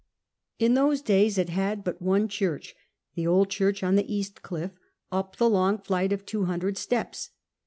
In those days it had but one church, the old church on the east cliff, up the long flight of two hundred steps.